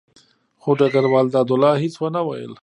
خو ډګروال دادالله هېڅ ونه ویل.